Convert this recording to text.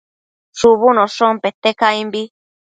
shubunoshon pete caimbi